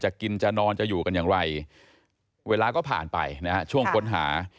กินจะนอนจะอยู่กันอย่างไรเวลาก็ผ่านไปนะฮะช่วงค้นหา